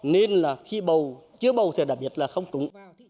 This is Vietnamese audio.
nên là khi bầu chưa bầu thì đặc biệt là không tụng